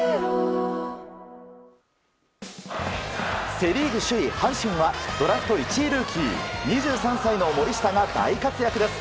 セ・リーグ首位、阪神はドラフト１位ルーキー２３歳の森下が大活躍です。